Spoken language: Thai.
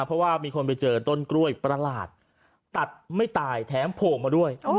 เพราะว่ามีคนไปเจอต้นกล้วยประหลาดตัดไม่ตายแถมโผล่มาด้วย